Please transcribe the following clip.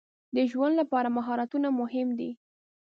د ژوند لپاره مهارتونه مهم دي.